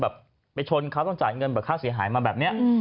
เอาเค้าใจเงินข้าคสีหายมาแบบนี้